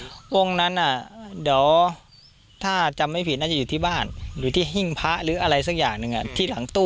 แล้ววงนั้นอ่ะเดี๋ยวถ้าจำไม่ผิดน่าจะอยู่ที่บ้านหรือที่ทรียศหไรซักอย่างทรียหลังตู้อ่ะ